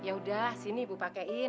yaudah sini ibu pakein